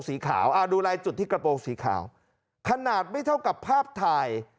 สีขาวดูลายจุดที่กระโปรงสีขาวขนาดไม่เท่ากับภาพถ่าย